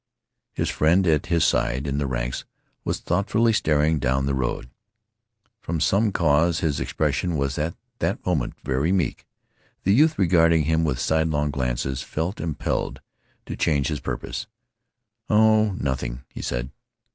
His friend, at his side in the ranks, was thoughtfully staring down the road. From some cause his expression was at that moment very meek. The youth, regarding him with sidelong glances, felt impelled to change his purpose. "Oh, nothing," he said.